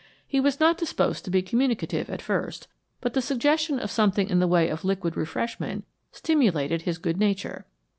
He was not disposed to be communicative at first, but the suggestion of something in the way of liquid refreshment stimulated his good nature.